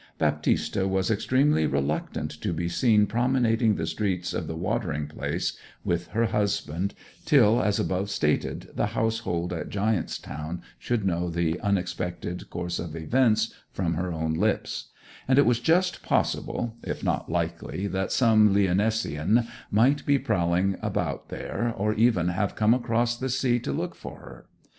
Baptista was extremely reluctant to be seen promenading the streets of the watering place with her husband till, as above stated, the household at Giant's Town should know the unexpected course of events from her own lips; and it was just possible, if not likely, that some Lyonessian might be prowling about there, or even have come across the sea to look for her.